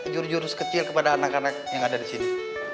jurus jurus kecil kepada anak anak yang ada di sini